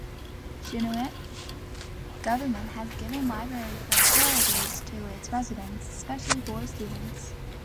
Chiniot government has given library facilities to its residents, especially for students.